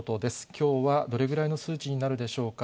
きょうはどれぐらいの数値になるでしょうか。